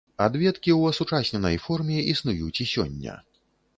Адведкі ў асучасненай форме існуюць і сёння.